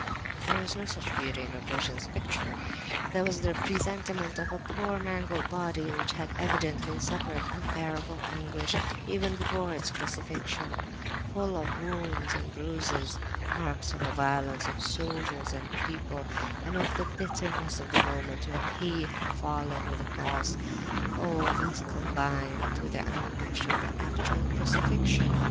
But there was no such beauty in Rogojin's picture. This was the presentment of a poor mangled body which had evidently suffered unbearable anguish even before its crucifixion, full of wounds and bruises, marks of the violence of soldiers and people, and of the bitterness of the moment when He had fallen with the cross—all this combined with the anguish of the actual crucifixion.